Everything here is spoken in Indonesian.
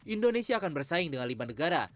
indonesia akan bersaing dengan lima negara